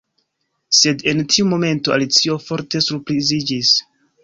Sed en tiu momento Alicio forte surpriziĝis.